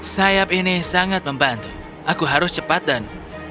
sayap ini sangat membantu aku harus cepat dan